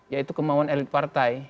yaitu kemauan elit partai